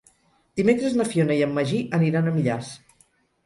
Dimecres na Fiona i en Magí aniran a Millars.